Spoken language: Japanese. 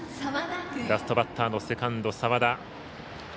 ラストバッターのセカンド澤田。